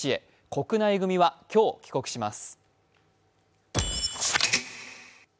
国内組は今日帰国します。